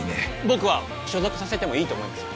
僕は所属させてもいいと思います